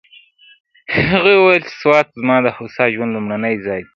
هغې وویل چې سوات زما د هوسا ژوند لومړنی ځای دی.